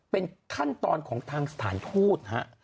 เป็นขั้นตอนของทางสถานทูต